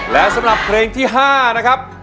และสำหรับเพลงที่๕นะครับ